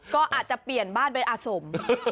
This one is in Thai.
ก็อาจจะเปลี่ยนบ้านไปอาสม